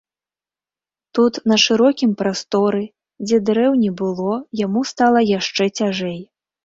Тут, на шырокім прасторы, дзе дрэў не было, яму стала яшчэ цяжэй.